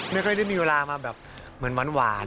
ไม่ค่อยได้มีเวลามาแบบเหมือนหวาน